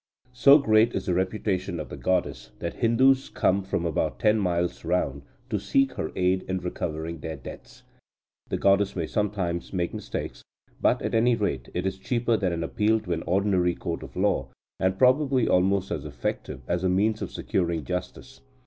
So great is the reputation of the goddess, that Hindus come from about ten miles round to seek her aid in recovering their debts. The goddess may sometimes make mistakes, but, at any rate, it is cheaper than an appeal to an ordinary court of law, and probably almost as effective as a means of securing justice.